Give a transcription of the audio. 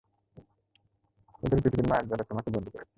ওদের পৃথিবীর মায়ার জালে তোমাকে বন্দি করেছে!